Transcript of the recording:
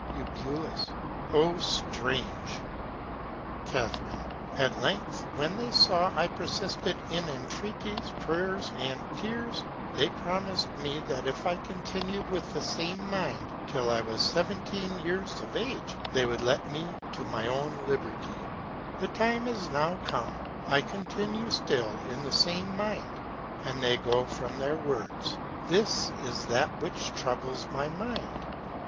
Eu. O strange! Ca. At Length when they saw I persisted in Intreaties, Prayers, and Tears, they promis'd me that if I continu'd in the same Mind till I was seventeen Years of Age, they would leave me to my own Liberty: The Time is now come, I continue still in the same Mind, and they go from their Words. This is that which troubles my Mind.